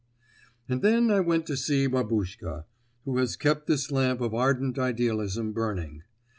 And then I went to see Babuschka, who has kept this lamp of ardent idealism burning.